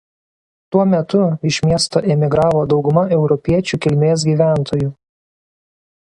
Tuo metu iš miesto emigravo dauguma europiečių kilmės gyventojų.